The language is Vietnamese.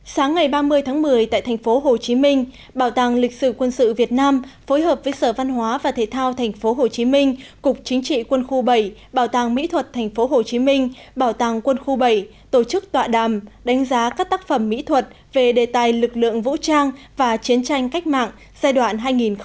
sáng ngày ba mươi tháng một mươi tại thành phố hồ chí minh bảo tàng lịch sử quân sự việt nam phối hợp với sở văn hóa và thể thao thành phố hồ chí minh cục chính trị quân khu bảy bảo tàng mỹ thuật thành phố hồ chí minh bảo tàng quân khu bảy tổ chức tọa đàm đánh giá các tác phẩm mỹ thuật về đề tài lực lượng vũ trang và chiến tranh cách mạng giai đoạn hai nghìn một mươi bốn hai nghìn một mươi chín